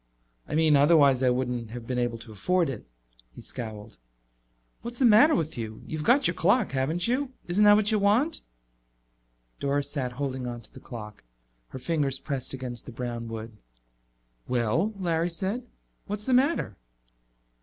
"I mean, otherwise I wouldn't have been able to afford it." He scowled. "What's the matter with you? You've got your clock, haven't you? Isn't that what you want?" Doris sat holding onto the clock, her fingers pressed against the brown wood. "Well," Larry said, "what's the matter?"